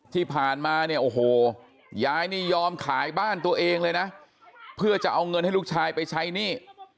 ที่ผ่านมาเนี่ยโอ้โหยายนี่ยอมขายบ้านตัวเองเลยนะเพื่อจะเอาเงินให้ลูกชายไปใช้หนี้